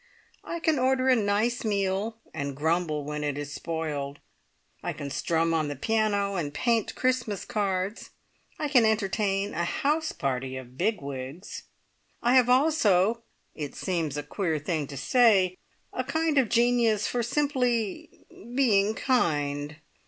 I can order a nice meal, and grumble when it is spoiled. I can strum on the piano and paint Christmas cards. I can entertain a house party of big wigs. I have also (it seems a queer thing to say!) a kind of genius for simply being kind!